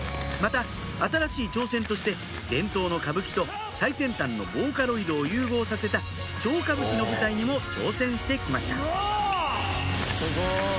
また新しい挑戦として伝統の歌舞伎と最先端のボーカロイドを融合させた超歌舞伎の舞台にも挑戦して来ました